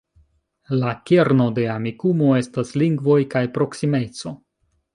La kerno de Amikumu estas lingvoj kaj proksimeco.